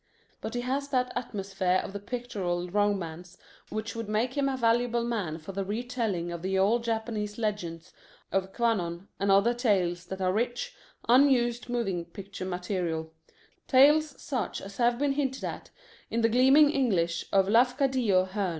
But he has that atmosphere of pictorial romance which would make him a valuable man for the retelling of the old Japanese legends of Kwannon and other tales that are rich, unused moving picture material, tales such as have been hinted at in the gleaming English of Lafcadio Hearn.